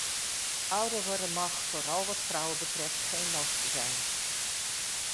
Ouder worden mag, vooral wat vrouwen betreft, geen last zijn.